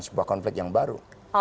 sebuah konflik yang baru